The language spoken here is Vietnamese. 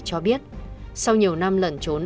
cho biết sau nhiều năm lẩn trốn